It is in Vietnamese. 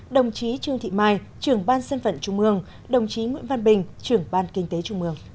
đồng chí trương thị mai trưởng ban dân vận trung ương đồng chí nguyễn văn bình trưởng ban kinh tế trung ương